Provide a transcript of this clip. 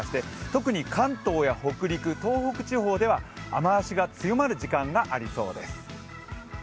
特に関東や北陸、東北地方では雨足が強まる時間がありそうです。